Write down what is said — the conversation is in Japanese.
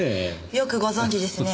よくご存じですね。